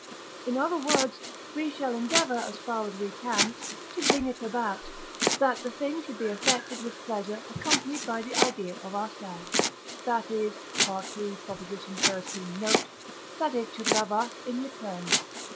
In other words, we shall endeavour, as far as we can, to bring it about, that the thing should be affected with pleasure accompanied by the idea of ourselves, that is (III. xiii. note), that it should love us in return.